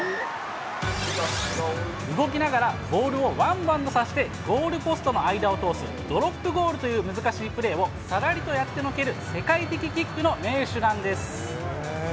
動きながらボールをワンバウンドさせて、ゴールポストの間を通す、ドロップゴールという難しいプレーを、さらりとやってのける、世界的キックの名手なんです。